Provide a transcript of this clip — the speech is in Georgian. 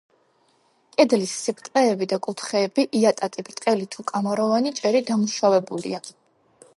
კედლის სიბრტყეები და კუთხეები, იატაკი, ბრტყელი თუ კამაროვანი ჭერი დამუშავებულია.